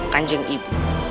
kan jeng ibu